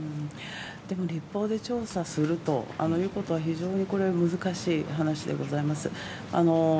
立法で調査するということは非常に難しい話でございます。